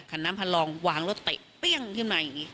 คันน้ำพันลองวางรถเตะเปรี้ยงขึ้นมาอย่างนี้